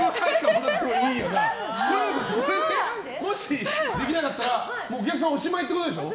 もしできなかったらお客さんおしまいってことでしょ。